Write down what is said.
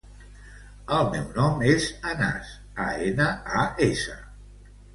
El meu nom és Anas: a, ena, a, essa.